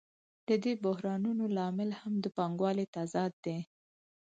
د دې بحرانونو لامل هم د پانګوالۍ تضاد دی